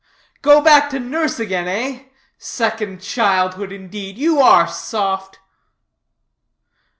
"Go back to nurse again, eh? Second childhood, indeed. You are soft."